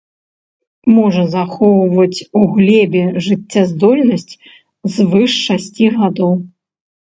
Можа захоўваць у глебе жыццяздольнасць звыш шасці гадоў.